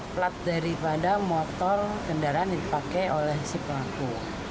plat daripada motor kendaraan yang dipakai oleh si pelaku